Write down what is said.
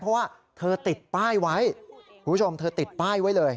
เพราะว่าเธอติดป้ายไว้คุณผู้ชมเธอติดป้ายไว้เลย